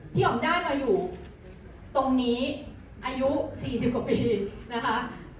อ๋อมได้มาอยู่ตรงนี้อายุ๔๐กว่าปีนะคะ